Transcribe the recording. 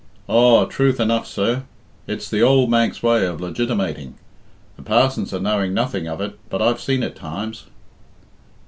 "Aw, truth enough, sir! It's the ould Manx way of legitimating. The parsons are knowing nothing of it, but I've seen it times."